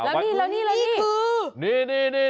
แล้วนี่คือ